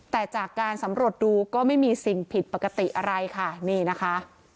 แต่จากการสำรวจดูก็ไม่มีสิ่งผิดปกติอะไรค่ะนี่นะคะ